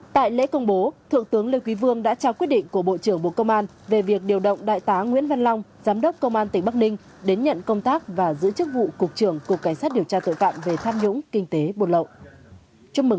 tại lễ công bố thượng tướng lê quý vương đã trao quyết định của bộ trưởng bộ công an về việc điều động đại tá nguyễn văn long giám đốc công an tỉnh bắc ninh đến nhận công tác và giữ chức vụ cục trưởng cục cảnh sát điều tra tội phạm về tham nhũng kinh tế buôn lậu